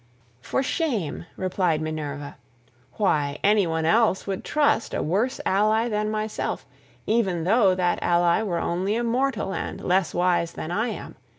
"For shame," replied Minerva, "why, any one else would trust a worse ally than myself, even though that ally were only a mortal and less wise than I am.